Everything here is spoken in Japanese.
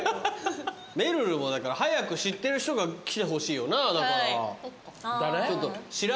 めるるも早く知ってる人が来てほしいよなだから。